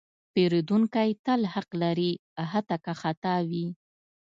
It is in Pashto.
پیرودونکی تل حق لري، حتی که خطا وي.